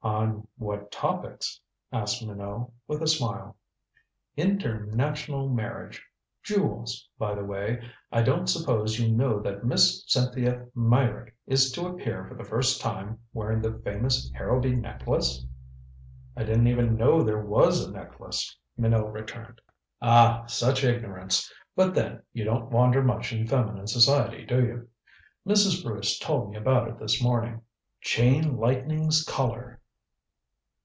"On what topics?" asked Minot, with a smile. "International marriage jewels by the way, I don't suppose you know that Miss Cynthia Meyrick is to appear for the first time wearing the famous Harrowby necklace?" "I didn't even know there was a necklace," Minot returned. "Ah, such ignorance. But then, you don't wander much in feminine society, do you? Mrs. Bruce told me about it this morning. Chain Lightning's Collar."